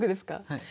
はい。